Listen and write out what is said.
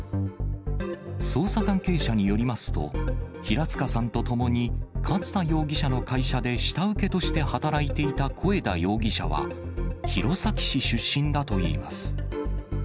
捜査関係者によりますと、平塚さんと共に勝田容疑者の会社で下請けとして働いていた小枝容疑者は、弘前市出身だといいます。